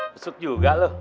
besuk juga lo